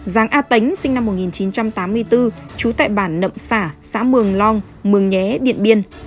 giàng a tánh sinh năm một nghìn chín trăm tám mươi bốn chú tại bản nậm xã xã mường long mường nhé điện biên